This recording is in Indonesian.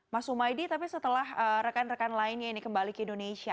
mas humaydi tapi setelah rekan rekan lainnya ini kembali ke indonesia